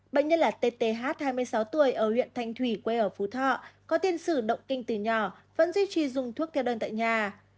bệnh nhân là tth hai mươi sáu tuổi ở huyện thanh thủy quê ở phú thọ có tiên sử động kinh từ nhỏ vẫn duy trì dùng thuốc kê đơn tại nhà